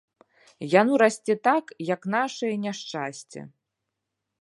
Яно расце так, як нашае няшчасце.